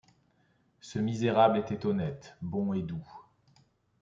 Ce misérable était honnête, bon et doux ;